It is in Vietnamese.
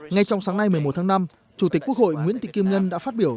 ngay trong sáng nay một mươi một tháng năm chủ tịch quốc hội nguyễn thị kim ngân đã phát biểu